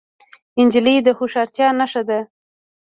نجلۍ د هوښیارتیا نښه ده.